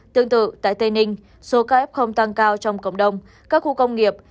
tương tự tại tây ninh số ca f tăng cao trong cộng đồng các khu công nghiệp